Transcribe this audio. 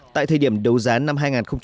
tại thời điểm đầu giá năm hai nghìn một mươi bốn